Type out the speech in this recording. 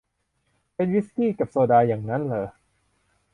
เป็นวิสกี้กับโซดาอย่างงั้นหรอ